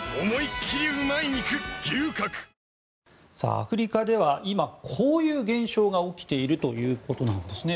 アフリカでは今、こういう現象が起きているということなんですね。